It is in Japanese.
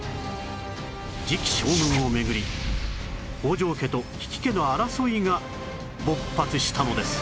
次期将軍を巡り北条家と比企家の争いが勃発したのです